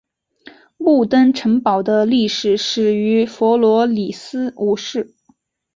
木登城堡的历史始于弗罗里斯五世。